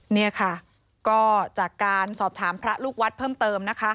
นี่ค่ะก็จากการสอบถามพระลูกวัดเพิ่มเติมนะคะ